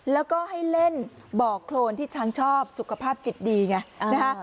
แล้วก็ให้เล่นบ่อโครนที่ช้างชอบสุขภาพจิตดีไงนะฮะ